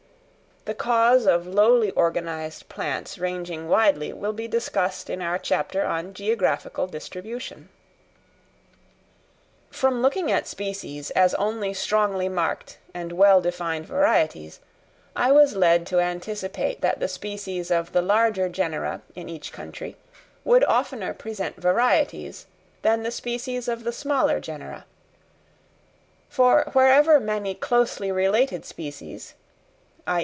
The cause of lowly organised plants ranging widely will be discussed in our chapter on Geographical Distribution. From looking at species as only strongly marked and well defined varieties, I was led to anticipate that the species of the larger genera in each country would oftener present varieties, than the species of the smaller genera; for wherever many closely related species (_i.